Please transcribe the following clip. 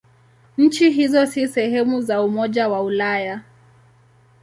Nchi hizo si sehemu za Umoja wa Ulaya.